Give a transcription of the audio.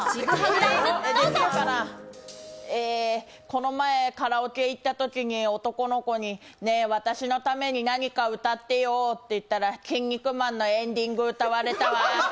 この前カラオケ行ったときに男の子にねぇ私のために何か歌ってよと言ったら、「キン肉マン」のエンディング歌われたわ。